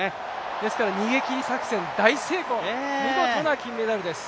ですから逃げ切り作戦、大成功見事な金メダルです。